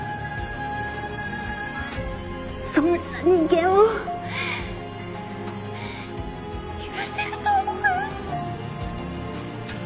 そんな人間を許せると思う？